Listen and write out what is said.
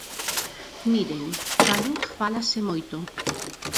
Miren, da luz fálase moito.